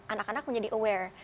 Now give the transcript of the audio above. anak anak menjadi aware